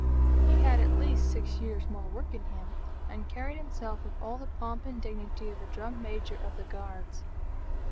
He had at least six years' more work in him, and carried himself with all the pomp and dignity of a Drum Major of the Guards.